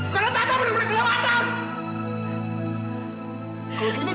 karena tante menunggu kelewatan